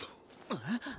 えっ？